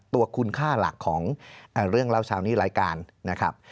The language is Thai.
ตัวคุณค่าหลักของเรื่องเล่าเช้านี้รายการนะครับ